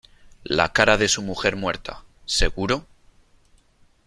la cara de su mujer muerta .¿ seguro ?